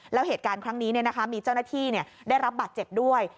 แล้วเหตุการณ์ครั้งนี้มีเจ้าหน้าที่ได้รับบาดเจ็บด้วย